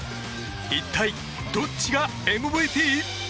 一体どっちがＭＶＰ？